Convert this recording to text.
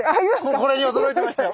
これに驚いてましたよ！